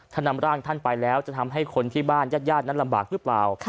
ถ้านำร่างท่านไปแล้วจะทำให้คนที่บ้านญาตินั้นลำบากหรือเปล่า